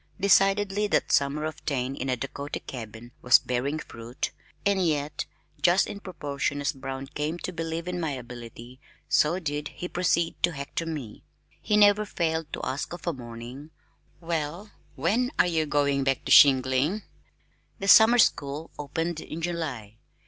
Decidedly that summer of Taine in a Dakota cabin was bearing fruit, and yet just in proportion as Brown came to believe in my ability so did he proceed to "hector" me. He never failed to ask of a morning, "Well, when are you going back to shingling?" The Summer School opened in July.